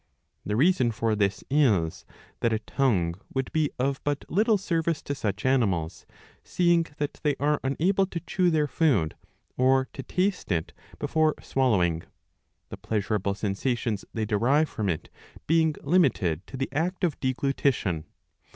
^ The reason for this is that a tongue would be of but little service to such animals, seeing that they are unable to chew their food or to taste it before swallowing, the pleasurable sensations they derive from it being limited to the act of deglutition.'''